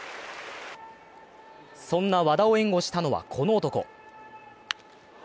そんな和田を援護したのは、この男。